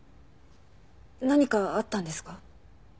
何かあったんですか？